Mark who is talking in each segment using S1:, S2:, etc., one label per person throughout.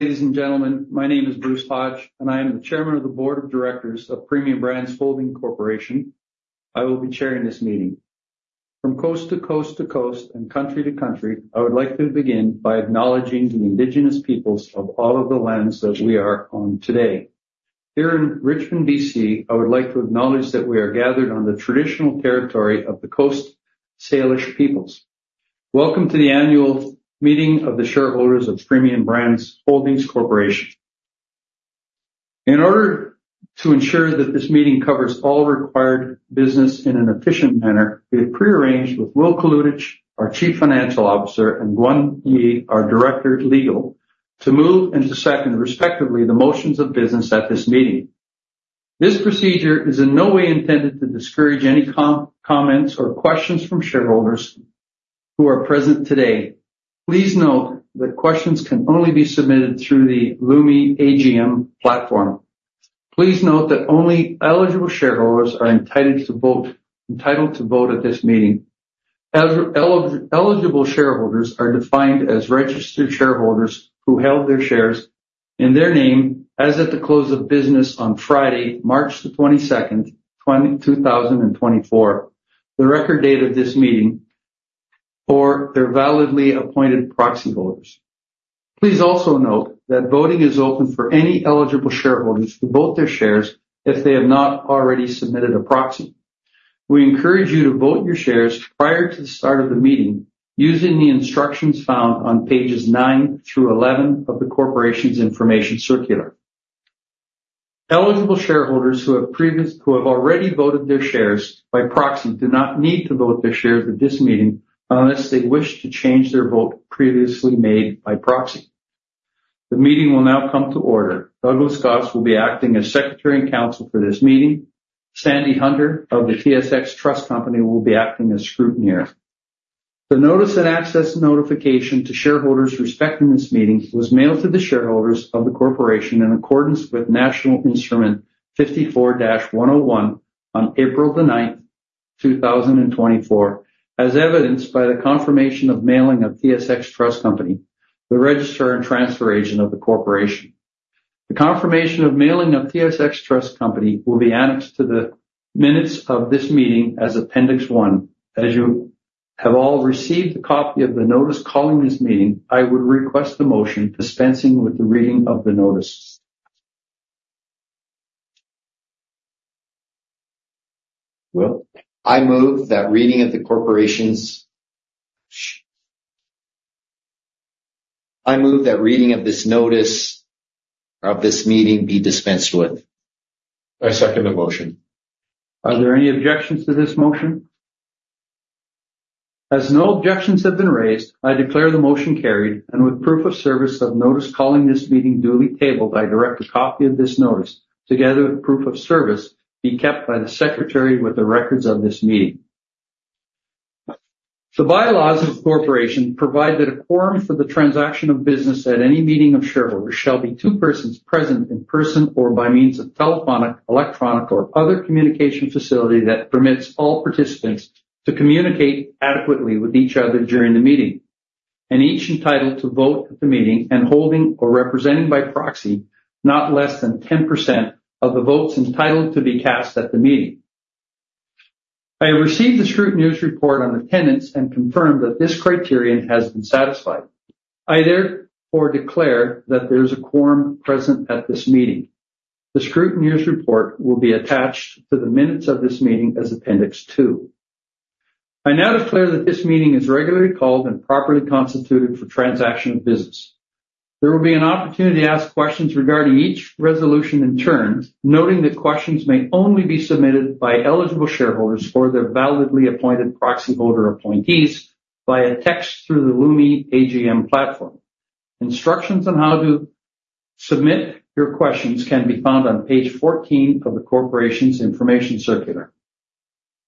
S1: Ladies and gentlemen, my name is Bruce Hodge, and I am the Chairman of the Board of Directors of Premium Brands Holdings Corporation. I will be chairing this meeting. From coast to coast to coast and country to country, I would like to begin by acknowledging the indigenous peoples of all of the lands as we are on today. Here in Richmond, BC, I would like to acknowledge that we are gathered on the traditional territory of the Coast Salish peoples. Welcome to the annual meeting of the shareholders of Premium Brands Holdings Corporation. In order to ensure that this meeting covers all required business in an efficient manner, we have prearranged with Will Kalutycz, our Chief Financial Officer, and Gwun Yee, our Director, Legal, to move and to second, respectively, the motions of business at this meeting. This procedure is in no way intended to discourage any comments or questions from shareholders who are present today. Please note that questions can only be submitted through the Lumi AGM platform. Please note that only eligible shareholders are entitled to vote, entitled to vote at this meeting. Eligible shareholders are defined as registered shareholders who held their shares in their name as at the close of business on Friday, March 22, 2024, the record date of this meeting, or their validly appointed proxy voters. Please also note that voting is open for any eligible shareholders to vote their shares if they have not already submitted a proxy. We encourage you to vote your shares prior to the start of the meeting, using the instructions found on pages 9 through 11 of the corporation's information circular. Eligible shareholders who have already voted their shares by proxy do not need to vote their shares at this meeting unless they wish to change their vote previously made by proxy. The meeting will now come to order. Douglas Goss will be acting as Secretary and Counsel for this meeting. Sandy Hunter of the TSX Trust Company will be acting as scrutineer. The Notice and Access notification to shareholders respecting this meeting was mailed to the shareholders of the corporation in accordance with National Instrument 54-101 on April 9, 2024, as evidenced by the confirmation of mailing of TSX Trust Company, the registrar and transfer agent of the corporation. The confirmation of mailing of TSX Trust Company will be annexed to the minutes of this meeting as Appendix One. As you have all received a copy of the notice calling this meeting, I would request a motion dispensing with the reading of the notice. Will?
S2: I move that the reading of the notice of this meeting be dispensed with.
S3: I second the motion.
S1: Are there any objections to this motion? As no objections have been raised, I declare the motion carried, and with proof of service of notice calling this meeting duly tabled, I direct a copy of this notice, together with proof of service, be kept by the secretary with the records of this meeting. The bylaws of the corporation provide that a quorum for the transaction of business at any meeting of shareholders shall be two persons present in person or by means of telephonic, electronic, or other communication facility that permits all participants to communicate adequately with each other during the meeting, and each entitled to vote at the meeting and holding or representing by proxy, not less than 10% of the votes entitled to be cast at the meeting. I have received the scrutineer's report on attendance and confirmed that this criterion has been satisfied. I therefore declare that there's a quorum present at this meeting. The scrutineer's report will be attached to the minutes of this meeting as Appendix 2. I now declare that this meeting is regularly called and properly constituted for transaction of business. There will be an opportunity to ask questions regarding each resolution in turn, noting that questions may only be submitted by eligible shareholders or their validly appointed proxy voter appointees via text through the Lumi AGM platform. Instructions on how to submit your questions can be found on page 14 of the corporation's information circular.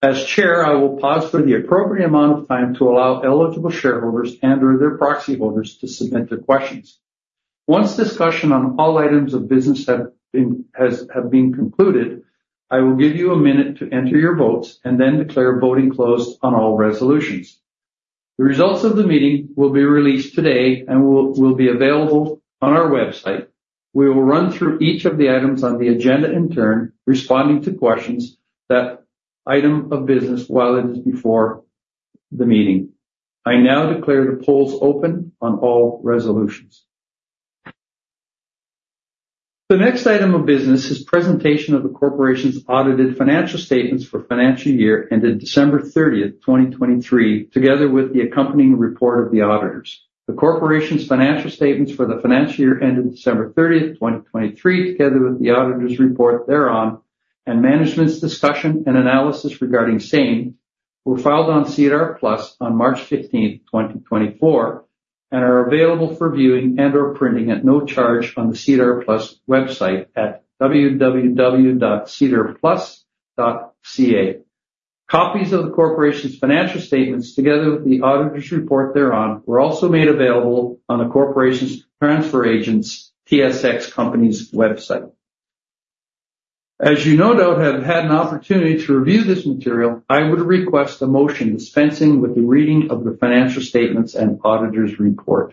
S1: As Chair, I will pause for the appropriate amount of time to allow eligible shareholders and/or their proxy voters to submit their questions. Once discussion on all items of business have been concluded, I will give you a minute to enter your votes and then declare voting closed on all resolutions. The results of the meeting will be released today and will be available on our website. We will run through each of the items on the agenda in turn, responding to questions that item of business while it is before the meeting. I now declare the polls open on all resolutions. The next item of business is presentation of the corporation's audited financial statements for financial year ended December 30, 2023, together with the accompanying report of the auditors. The corporation's financial statements for the financial year ended December 30, 2023, together with the auditor's report thereon, and management's discussion and analysis regarding same, were filed on SEDAR+ on March 15, 2024, and are available for viewing and/or printing at no charge on the SEDAR+ website at www.sedarplus.ca. Copies of the corporation's financial statements, together with the auditor's report thereon, were also made available on the corporation's transfer agent's TSX Trust Company's website.... As you no doubt have had an opportunity to review this material, I would request a motion dispensing with the reading of the financial statements and auditor's report.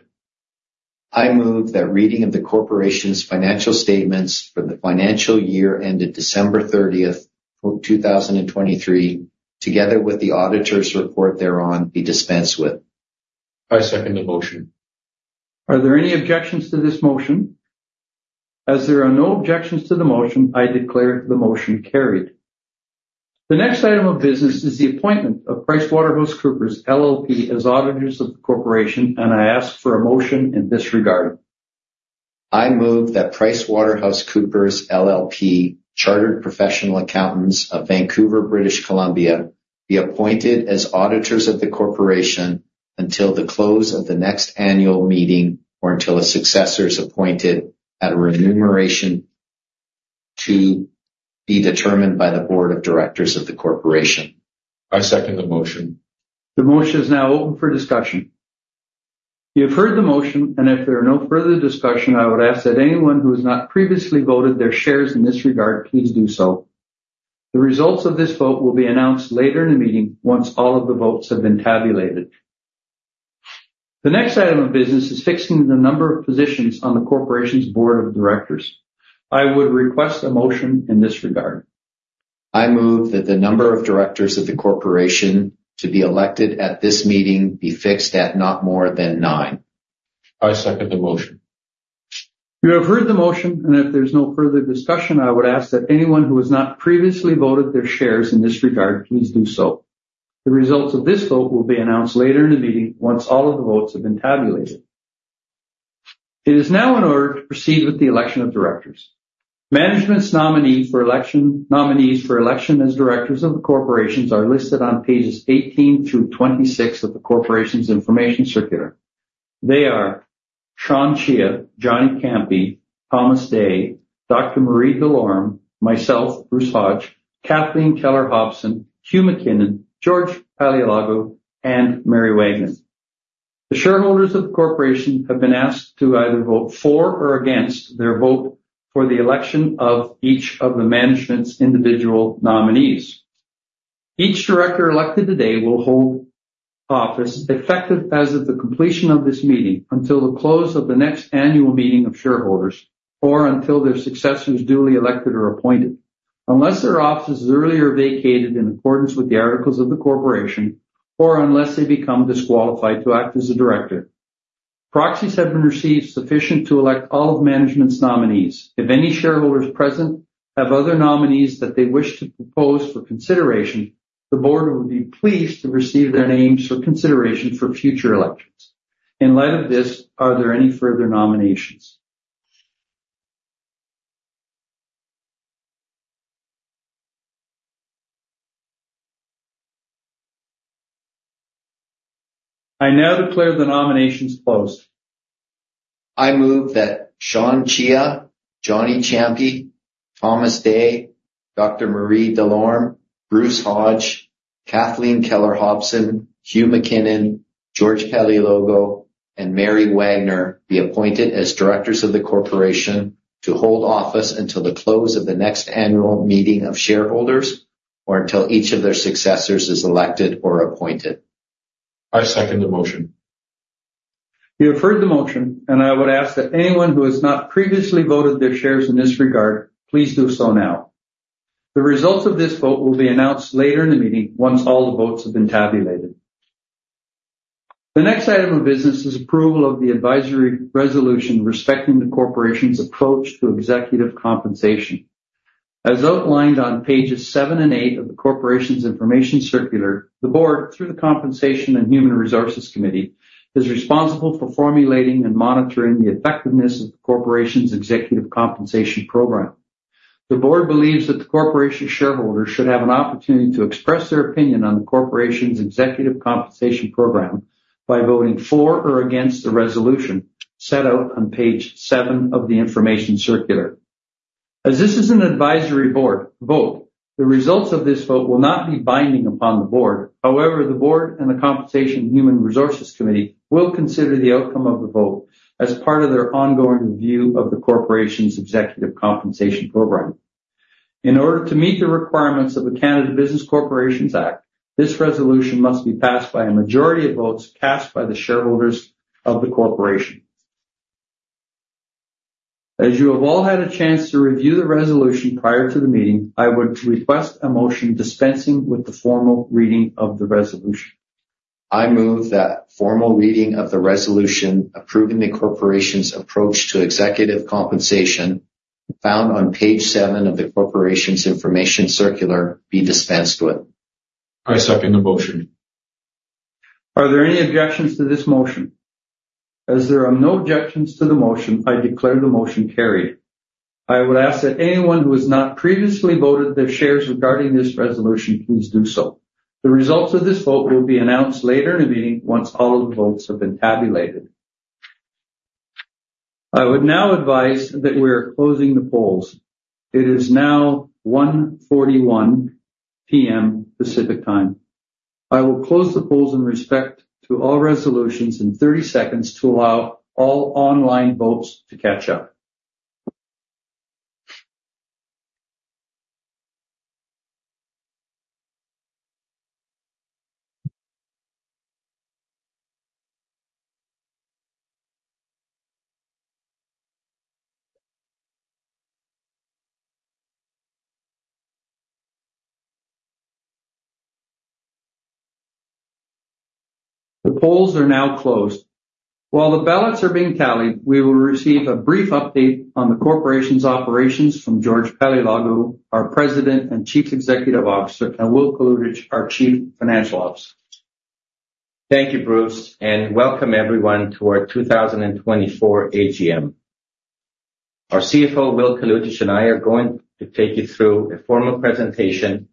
S2: I move that reading of the corporation's financial statements for the financial year ended December 30, 2023, together with the auditor's report thereon, be dispensed with.
S3: I second the motion.
S1: Are there any objections to this motion? As there are no objections to the motion, I declare the motion carried. The next item of business is the appointment of PricewaterhouseCoopers LLP as auditors of the corporation, and I ask for a motion in this regard.
S2: I move that PricewaterhouseCoopers LLP, Chartered Professional Accountants of Vancouver, British Columbia, be appointed as auditors of the corporation until the close of the next annual meeting or until a successor is appointed at a remuneration to be determined by the board of directors of the corporation.
S3: I second the motion.
S1: The motion is now open for discussion. You have heard the motion, and if there are no further discussion, I would ask that anyone who has not previously voted their shares in this regard, please do so. The results of this vote will be announced later in the meeting once all of the votes have been tabulated. The next item of business is fixing the number of positions on the corporation's board of directors. I would request a motion in this regard.
S2: I move that the number of directors of the corporation to be elected at this meeting be fixed at not more than nine.
S3: I second the motion.
S1: You have heard the motion, and if there's no further discussion, I would ask that anyone who has not previously voted their shares in this regard, please do so. The results of this vote will be announced later in the meeting once all of the votes have been tabulated. It is now in order to proceed with the election of directors. Management's nominees for election, nominees for election as directors of the corporations are listed on pages 18 through 26 of the corporation's information circular. They are Sean Cheah, Johnny Ciampi, Thomas Dea, Dr. Marie Delorme, myself, Bruce Hodge, Kathleen Keller-Hobson, Hugh McKinnon, George Paleologou, and Mary Wagner. The shareholders of the corporation have been asked to either vote for or against their vote for the election of each of the management's individual nominees. Each director elected today will hold office effective as of the completion of this meeting, until the close of the next annual meeting of shareholders, or until their successor is duly elected or appointed, unless their office is earlier vacated in accordance with the articles of the corporation, or unless they become disqualified to act as a director. Proxies have been received sufficient to elect all of management's nominees. If any shareholders present have other nominees that they wish to propose for consideration, the board would be pleased to receive their names for consideration for future elections. In light of this, are there any further nominations? I now declare the nominations closed.
S2: I move that Sean Cheah, Johnny Ciampi, Thomas Dea, Dr. Marie Delorme, Bruce Hodge, Kathleen Keller-Hobson, Hugh McKinnon, George Paleologou, and Mary Wagner be appointed as directors of the corporation to hold office until the close of the next annual meeting of shareholders, or until each of their successors is elected or appointed.
S3: I second the motion.
S1: You have heard the motion, and I would ask that anyone who has not previously voted their shares in this regard, please do so now. The results of this vote will be announced later in the meeting once all the votes have been tabulated. The next item of business is approval of the advisory resolution respecting the corporation's approach to executive compensation. As outlined on pages seven and eight of the corporation's information circular, the board, through the Compensation and Human Resources Committee, is responsible for formulating and monitoring the effectiveness of the corporation's executive compensation program. The board believes that the corporation's shareholders should have an opportunity to express their opinion on the corporation's executive compensation program by voting for or against the resolution set out on page seven of the information circular. As this is an advisory vote, the results of this vote will not be binding upon the board. However, the board and the Compensation and Human Resources Committee will consider the outcome of the vote as part of their ongoing review of the corporation's executive compensation program. In order to meet the requirements of the Canada Business Corporations Act, this resolution must be passed by a majority of votes cast by the shareholders of the corporation. As you have all had a chance to review the resolution prior to the meeting, I would request a motion dispensing with the formal reading of the resolution.
S2: I move that formal reading of the resolution approving the corporation's approach to executive compensation, found on page 7 of the corporation's information circular, be dispensed with.
S3: I second the motion.
S1: Are there any objections to this motion? As there are no objections to the motion, I declare the motion carried. I would ask that anyone who has not previously voted their shares regarding this resolution, please do so. The results of this vote will be announced later in the meeting, once all of the votes have been tabulated. I would now advise that we are closing the polls. It is now 1:41 P.M. Pacific Time. I will close the polls in respect to all resolutions in thirty seconds to allow all online votes to catch up. The polls are now closed. While the ballots are being tallied, we will receive a brief update on the corporation's operations from George Paleologou, our President and Chief Executive Officer, and Will Kalutycz, our Chief Financial Officer.
S4: Thank you, Bruce, and welcome everyone to our 2024 AGM. Our CFO, Will Kalutycz, and I are going to take you through a formal presentation,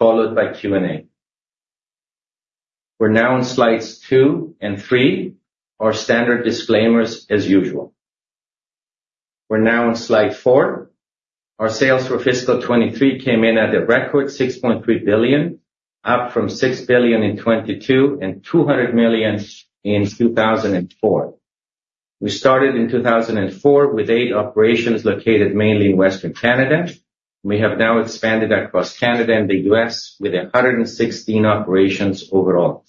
S4: followed by Q&A. We're now on slides 2 and 3. Our standard disclaimers as usual. We're now on slide 4. Our sales for fiscal 2023 came in at a record 6.3 billion, up from 6 billion in 2022 and 200 million in 2004. We started in 2004 with 8 operations located mainly in Western Canada. We have now expanded across Canada and the U.S. with 116 operations overall.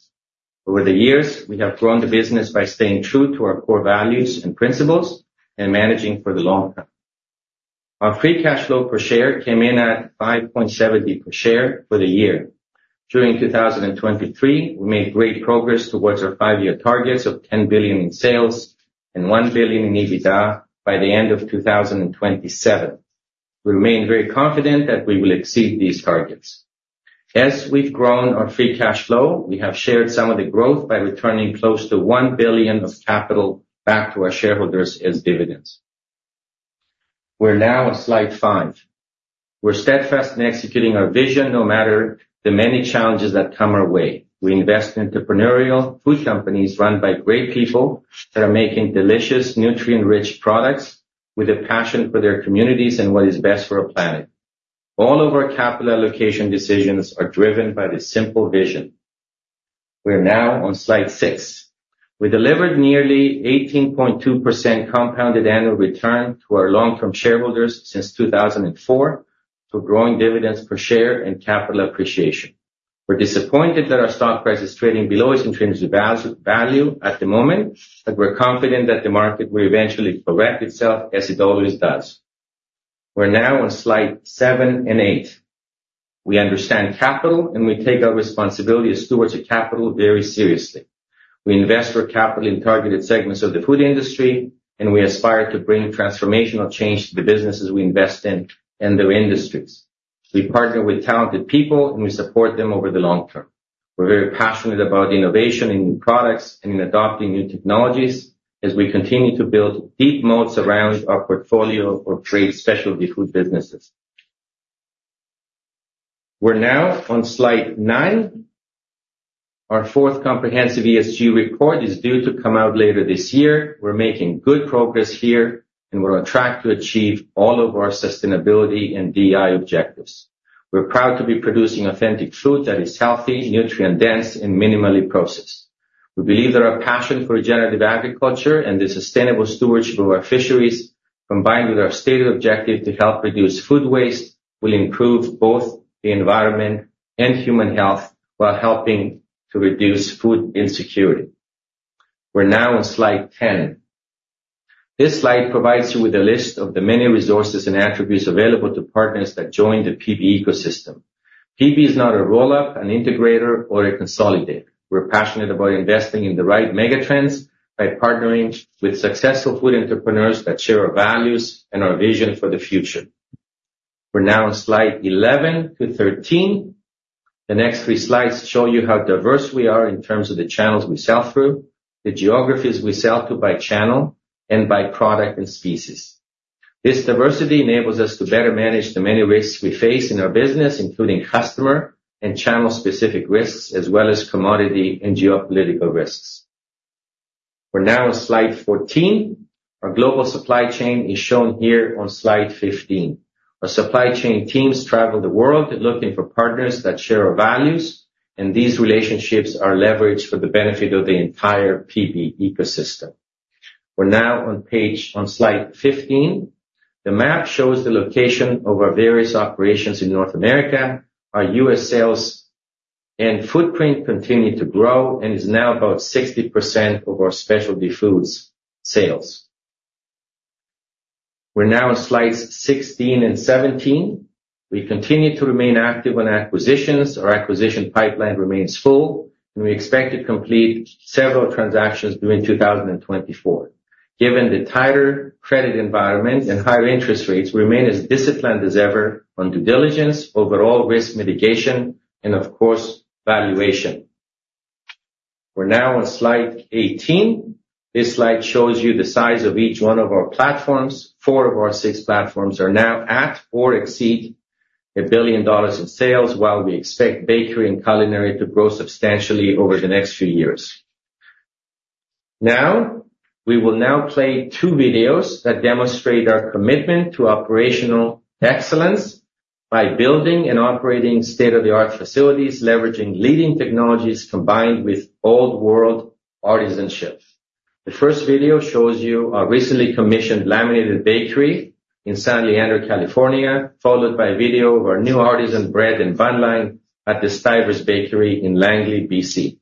S4: Over the years, we have grown the business by staying true to our core values and principles and managing for the long term. Our free cash flow per share came in at 5.70 per share for the year. During 2023, we made great progress towards our five-year targets of 10 billion in sales and 1 billion in EBITDA by the end of 2027. We remain very confident that we will exceed these targets. As we've grown our free cash flow, we have shared some of the growth by returning close to 1 billion of capital back to our shareholders as dividends. We're now on slide 5. We're steadfast in executing our vision, no matter the many challenges that come our way. We invest in entrepreneurial food companies run by great people that are making delicious, nutrient-rich products with a passion for their communities and what is best for our planet. All of our capital allocation decisions are driven by this simple vision. We are now on slide 6. We delivered nearly 18.2% compounded annual return to our long-term shareholders since 2004, for growing dividends per share and capital appreciation. We're disappointed that our stock price is trading below its intrinsic value at the moment, but we're confident that the market will eventually correct itself as it always does. We're now on slide 7 and 8. We understand capital, and we take our responsibility as stewards of capital very seriously. We invest our capital in targeted segments of the food industry, and we aspire to bring transformational change to the businesses we invest in and their industries. We partner with talented people, and we support them over the long term. We're very passionate about innovation in new products and in adopting new technologies as we continue to build deep moats around our portfolio of trade specialty food businesses. We're now on slide 9. Our fourth comprehensive ESG report is due to come out later this year. We're making good progress here, and we're on track to achieve all of our sustainability and DEI objectives. We're proud to be producing authentic food that is healthy, nutrient-dense, and minimally processed. We believe that our passion for regenerative agriculture and the sustainable stewardship of our fisheries, combined with our stated objective to help reduce food waste, will improve both the environment and human health while helping to reduce food insecurity. We're now on slide 10. This slide provides you with a list of the many resources and attributes available to partners that join the PB ecosystem. PB is not a roll-up, an integrator, or a consolidator. We're passionate about investing in the right megatrends by partnering with successful food entrepreneurs that share our values and our vision for the future. We're now on slide 11 to 13. The next 3 slides show you how diverse we are in terms of the channels we sell through, the geographies we sell to by channel, and by product and species. This diversity enables us to better manage the many risks we face in our business, including customer and channel-specific risks, as well as commodity and geopolitical risks. We're now on slide 14. Our global supply chain is shown here on slide 15. Our supply chain teams travel the world looking for partners that share our values, and these relationships are leveraged for the benefit of the entire PB ecosystem. We're now on slide 15. The map shows the location of our various operations in North America. Our US sales and footprint continue to grow and is now about 60% of our specialty foods sales. We're now on slides 16 and 17. We continue to remain active on acquisitions. Our acquisition pipeline remains full, and we expect to complete several transactions during 2024. Given the tighter credit environment and higher interest rates, we remain as disciplined as ever on due diligence, overall risk mitigation, and of course, valuation. We're now on slide 18. This slide shows you the size of each one of our platforms. Four of our six platforms are now at or exceed 1 billion dollars in sales, while we expect bakery and culinary to grow substantially over the next few years.... Now, we will play two videos that demonstrate our commitment to operational excellence by building and operating state-of-the-art facilities, leveraging leading technologies, combined with old world artisanship. The first video shows you our recently commissioned laminated bakery in San Leandro, California, followed by a video of our new artisan bread and bun line at the Stuyver's Bakery in Langley, BC.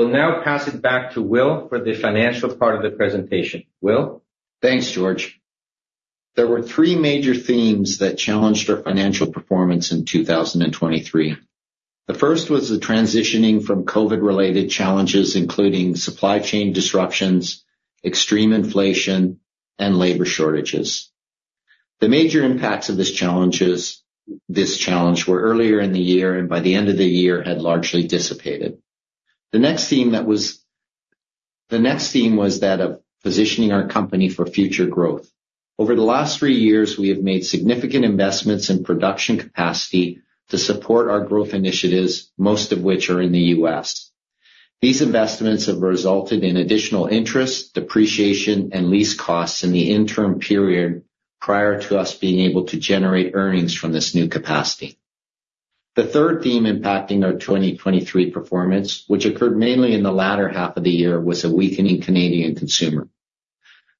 S4: Thank you. I will now pass it back to Will for the financial part of the presentation. Will?
S2: Thanks, George. There were three major themes that challenged our financial performance in 2023. The first was the transitioning from COVID-related challenges, including supply chain disruptions, extreme inflation, and labor shortages. The major impacts of this challenge were earlier in the year, and by the end of the year, had largely dissipated. The next theme was that of positioning our company for future growth. Over the last three years, we have made significant investments in production capacity to support our growth initiatives, most of which are in the US. These investments have resulted in additional interest, depreciation, and lease costs in the interim period prior to us being able to generate earnings from this new capacity. The third theme impacting our 2023 performance, which occurred mainly in the latter half of the year, was a weakening Canadian consumer.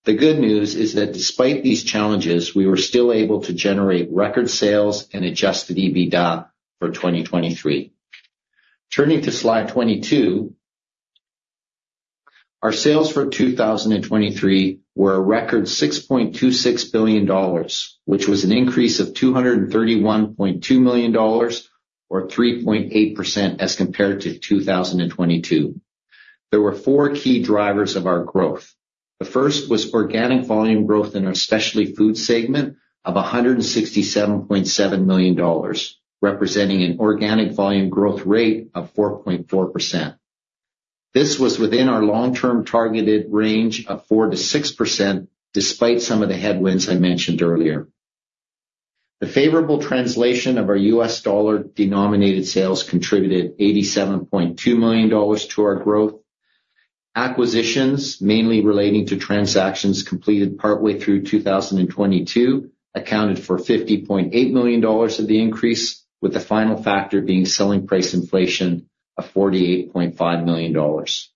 S2: The good news is that despite these challenges, we were still able to generate record sales and adjusted EBITDA for 2023. Turning to slide 22, our sales for 2023 were a record 6.26 billion dollars, which was an increase of 231.2 million dollars or 3.8% as compared to 2022. There were four key drivers of our growth. The first was organic volume growth in our specialty food segment of 167.7 million dollars, representing an organic volume growth rate of 4.4%. This was within our long-term targeted range of 4%-6%, despite some of the headwinds I mentioned earlier. The favorable translation of our US dollar-denominated sales contributed 87.2 million dollars to our growth. Acquisitions, mainly relating to transactions completed partway through 2022, accounted for CAD 50.8 million of the increase, with the final factor being selling price inflation of 48.5 million dollars.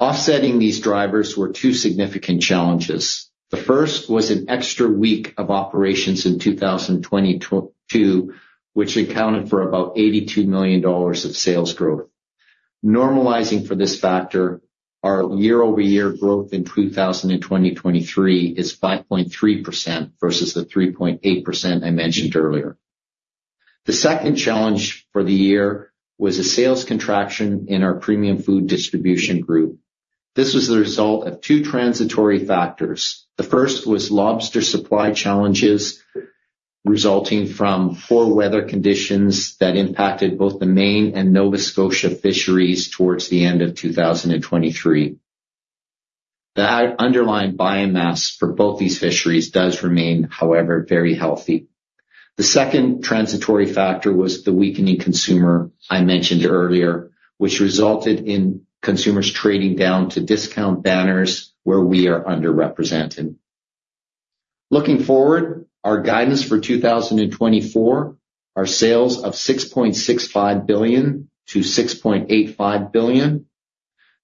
S2: Offsetting these drivers were two significant challenges. The first was an extra week of operations in 2022, which accounted for about 82 million dollars of sales growth. Normalizing for this factor, our year-over-year growth in 2023 is 5.3% versus the 3.8% I mentioned earlier. The second challenge for the year was a sales contraction in our premium food distribution group. This was the result of two transitory factors. The first was lobster supply challenges resulting from poor weather conditions that impacted both the Maine and Nova Scotia fisheries towards the end of 2023. The underlying biomass for both these fisheries does remain, however, very healthy. The second transitory factor was the weakening consumer I mentioned earlier, which resulted in consumers trading down to discount banners where we are underrepresented. Looking forward, our guidance for 2024 are sales of 6.65 billion-6.85 billion.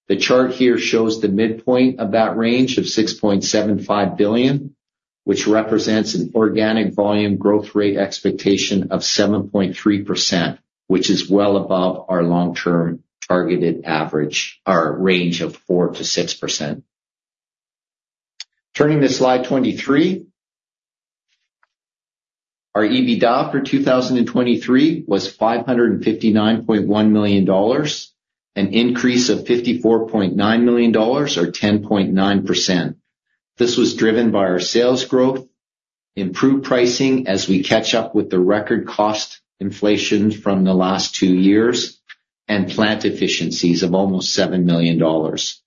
S2: The chart here shows the midpoint of that range of 6.75 billion, which represents an organic volume growth rate expectation of 7.3%, which is well above our long-term targeted average or range of 4%-6%. Turning to slide 23. Our EBITDA for 2023 was 559.1 million dollars, an increase of 54.9 million dollars, or 10.9%. This was driven by our sales growth, improved pricing as we catch up with the record cost inflation from the last two years, and plant efficiencies of almost 7 million dollars.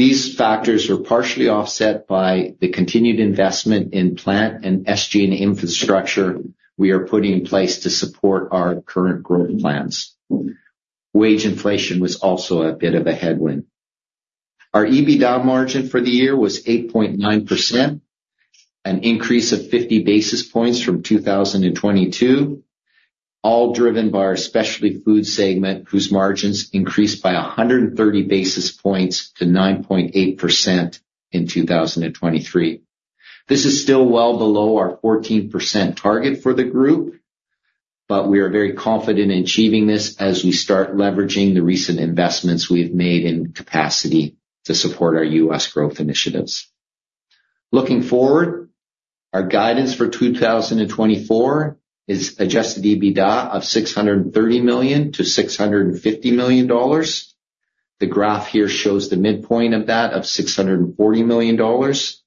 S2: These factors were partially offset by the continued investment in plant and SG&A infrastructure we are putting in place to support our current growth plans. Wage inflation was also a bit of a headwind. Our EBITDA margin for the year was 8.9%, an increase of 50 basis points from 2022, all driven by our specialty food segment, whose margins increased by 130 basis points to 9.8% in 2023. This is still well below our 14% target for the group, but we are very confident in achieving this as we start leveraging the recent investments we've made in capacity to support our US growth initiatives. Looking forward, our guidance for 2024 is adjusted EBITDA of 630 million-650 million dollars. The graph here shows the midpoint of that of 640 million dollars.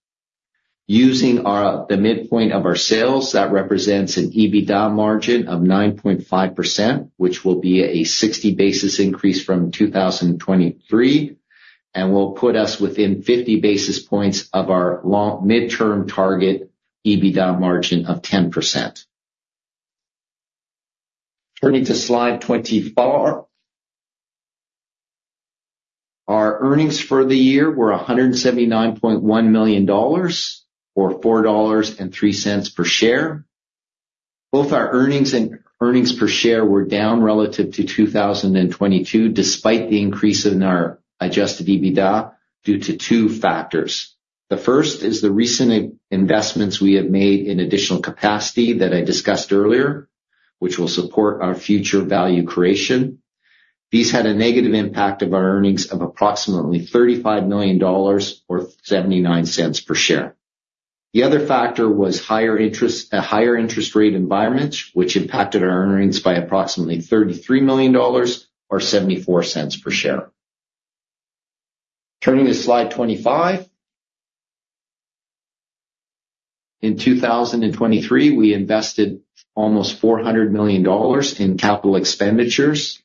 S2: Using our, the midpoint of our sales, that represents an EBITDA margin of 9.5%, which will be a 60 basis increase from 2023, and will put us within 50 basis points of our long-term target EBITDA margin of 10%. Turning to slide 24. Our earnings for the year were 179.1 million dollars, or 4.03 dollars per share. Both our earnings and earnings per share were down relative to 2022, despite the increase in our adjusted EBITDA due to two factors. The first is the recent investments we have made in additional capacity that I discussed earlier, which will support our future value creation. These had a negative impact on our earnings of approximately 35 million dollars or 0.79 per share. The other factor was a higher interest rate environment, which impacted our earnings by approximately 33 million dollars or 0.74 per share. Turning to slide 25. In 2023, we invested almost 400 million dollars in capital expenditures.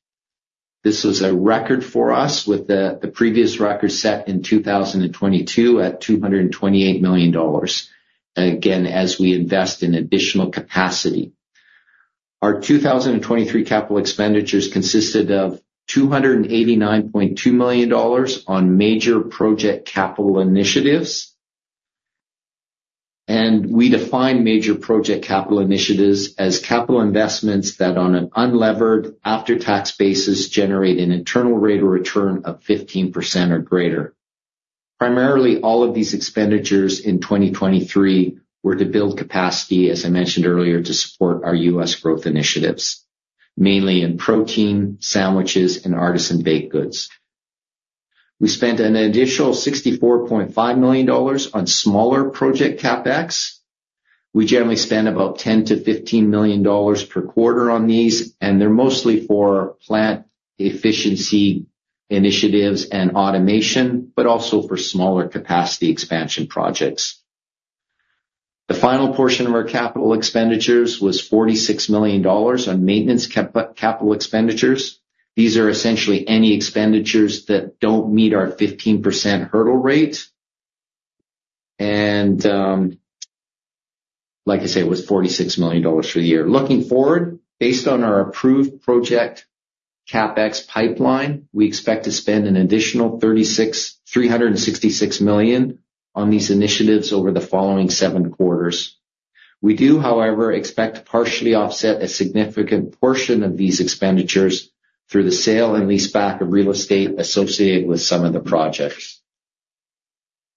S2: This was a record for us with the previous record set in 2022 at 228 million dollars. Again, as we invest in additional capacity. Our 2023 capital expenditures consisted of 289.2 million dollars on major project capital initiatives. We define major project capital initiatives as capital investments that, on an unlevered after-tax basis, generate an Internal Rate of Return of 15% or greater. Primarily, all of these expenditures in 2023 were to build capacity, as I mentioned earlier, to support our U.S. growth initiatives, mainly in protein, sandwiches, and artisan baked goods. We spent an additional 64.5 million dollars on smaller project CapEx. We generally spend about 10 million-15 million dollars per quarter on these, and they're mostly for plant efficiency initiatives and automation, but also for smaller capacity expansion projects. The final portion of our capital expenditures was 46 million dollars on maintenance cap, capital expenditures. These are essentially any expenditures that don't meet our 15% hurdle rate. Like I said, it was 46 million dollars for the year. Looking forward, based on our approved project, CapEx pipeline, we expect to spend an additional three hundred and sixty-six million on these initiatives over the following seven quarters. We do, however, expect to partially offset a significant portion of these expenditures through the sale and leaseback of real estate associated with some of the projects.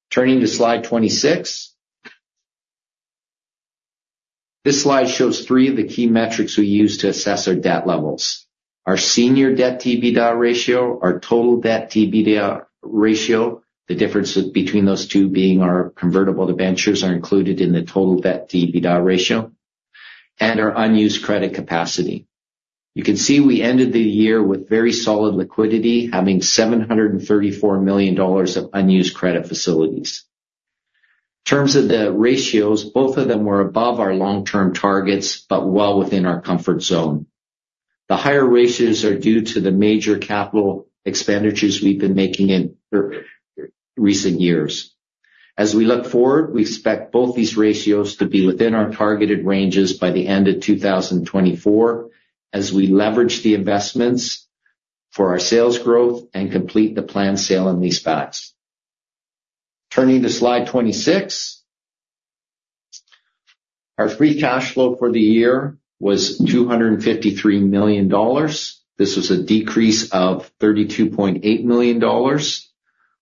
S2: Turning to slide 26. This slide shows three of the key metrics we use to assess our debt levels. Our senior debt EBITDA ratio, our total debt EBITDA ratio, the difference between those two being our convertible debentures are included in the total debt EBITDA ratio, and our unused credit capacity. You can see we ended the year with very solid liquidity, having 734 million dollars of unused credit facilities. In terms of the ratios, both of them were above our long-term targets, but well within our comfort zone. The higher ratios are due to the major capital expenditures we've been making in recent years. As we look forward, we expect both these ratios to be within our targeted ranges by the end of 2024, as we leverage the investments for our sales growth and complete the planned sale and lease backs. Turning to slide 26. Our free cash flow for the year was 253 million dollars. This was a decrease of 32.8 million dollars,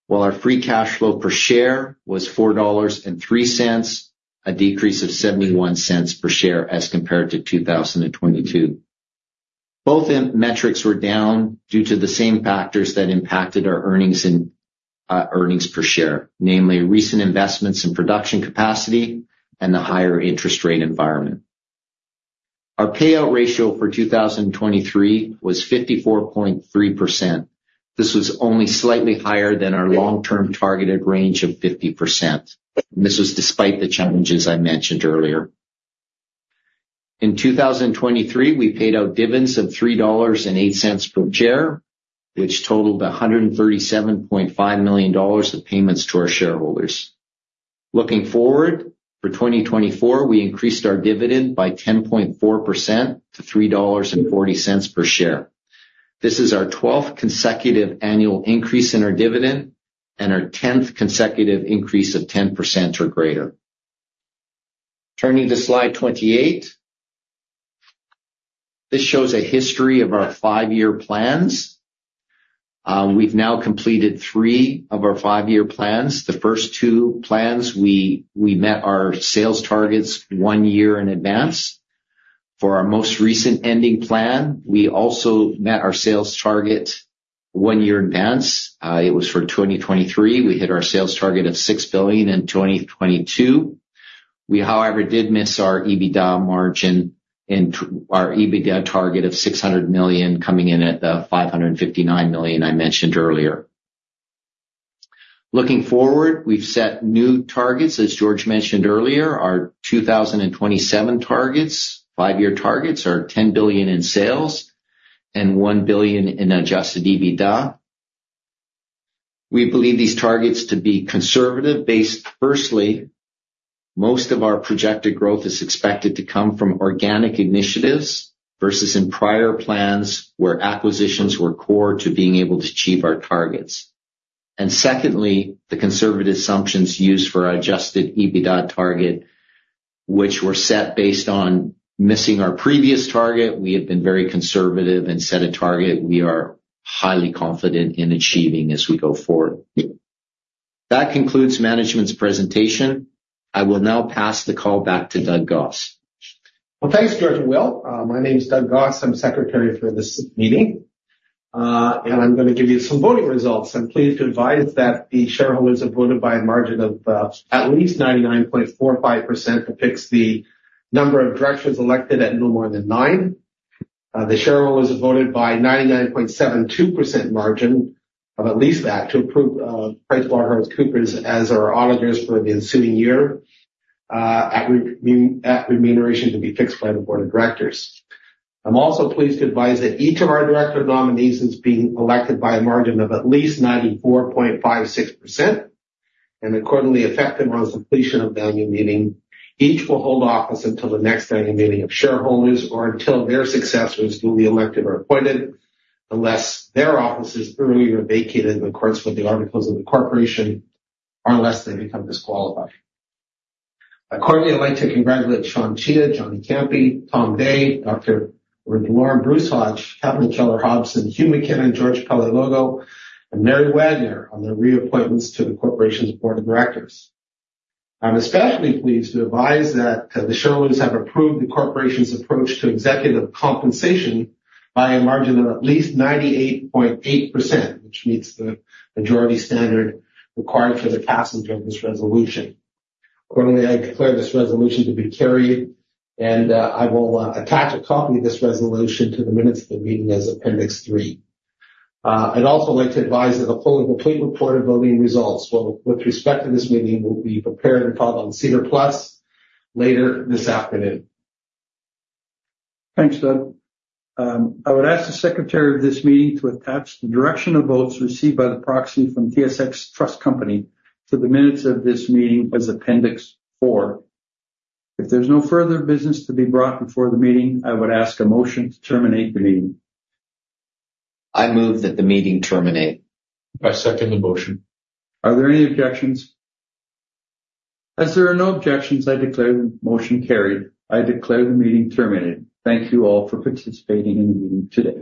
S2: while our free cash flow per share was 4.03 dollars, a decrease of 0.71 per share as compared to 2022. Both end metrics were down due to the same factors that impacted our earnings and earnings per share, namely recent investments in production capacity and the higher interest rate environment. Our payout ratio for 2023 was 54.3%. This was only slightly higher than our long-term targeted range of 50%. This was despite the challenges I mentioned earlier. In 2023, we paid out dividends of 3.08 dollars per share, which totaled 137.5 million dollars of payments to our shareholders. Looking forward, for 2024, we increased our dividend by 10.4% to 3.40 dollars per share. This is our 12th consecutive annual increase in our dividend and our 10th consecutive increase of 10% or greater. Turning to slide 28. This shows a history of our five-year plans. We've now completed three of our five-year plans. The first two plans, we, we met our sales targets one year in advance. For our most recent ending plan, we also met our sales target one year in advance. It was for 2023. We hit our sales target of 6 billion in 2022. We, however, did miss our EBITDA margin and our EBITDA target of 600 million, coming in at the 559 million I mentioned earlier. Looking forward, we've set new targets. As George mentioned earlier, our 2027 targets, five-year targets, are 10 billion in sales and 1 billion in adjusted EBITDA. We believe these targets to be conservative, based firstly, most of our projected growth is expected to come from organic initiatives versus in prior plans, where acquisitions were core to being able to achieve our targets. And secondly, the conservative assumptions used for our adjusted EBITDA target, which were set based on missing our previous target. We have been very conservative and set a target we are highly confident in achieving as we go forward. That concludes management's presentation. I will now pass the call back to Doug Goss.
S5: Well, thanks, George and Will. My name is Doug Goss. I'm secretary for this meeting, and I'm gonna give you some voting results. I'm pleased to advise that the shareholders have voted by a margin of at least 99.45% to fix the number of directors elected at no more than 9. The shareholders voted by 99.72% margin, of at least that, to approve PricewaterhouseCoopers as our auditors for the ensuing year, at remuneration to be fixed by the board of directors. I'm also pleased to advise that each of our director nominees is being elected by a margin of at least 94.56%, and accordingly effective on completion of the annual meeting, each will hold office until the next annual meeting of shareholders or until their successors duly elected or appointed, unless their office is earlier vacated in accordance with the articles of incorporation or unless they become disqualified. Accordingly, I'd like to congratulate Sean Cheah, Johnny Ciampi, Thomas Dea, Dr. Marie Delorme, Bruce Hodge, Kathleen Keller-Hobson, Hugh McKinnon, George Paleologou, and Mary Wagner on their reappointments to the Corporation's board of directors. I'm especially pleased to advise that the shareholders have approved the Corporation's approach to executive compensation by a margin of at least 98.8%, which meets the majority standard required for the passing of this resolution. Accordingly, I declare this resolution to be carried, and, I will, attach a copy of this resolution to the minutes of the meeting as appendix three. I'd also like to advise that the full and complete report of voting results, with respect to this meeting, will be prepared and filed on SEDAR+ later this afternoon. Thanks, Doug. I would ask the secretary of this meeting to attach the direction of votes received by the proxy from TSX Trust Company to the minutes of this meeting as Appendix 4. If there's no further business to be brought before the meeting, I would ask a motion to terminate the meeting.
S2: I move that the meeting terminate.
S3: I second the motion.
S1: Are there any objections? As there are no objections, I declare the motion carried. I declare the meeting terminated. Thank you all for participating in the meeting today.